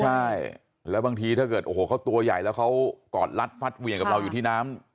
ใช่แล้วบางทีถ้าเกิดโอ้โหเขาตัวใหญ่แล้วเขากอดรัดฟัดเหวี่ยงกับเราอยู่ที่น้ำ